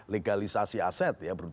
legalisasi aset ya